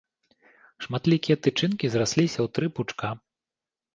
Шматлікія тычынкі зрасліся ў тры пучка.